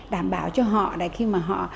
đảm bảo cho họ khi mà họ